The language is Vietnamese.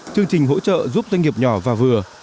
chương trình hỗ trợ giúp doanh nghiệp nhỏ và vừa